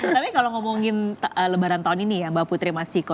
tapi kalau ngomongin lebaran tahun ini ya mbak putri mas ciko